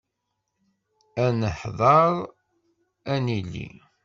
Ad neḥder ad nili.